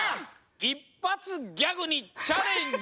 一発ギャグにチャレンジ！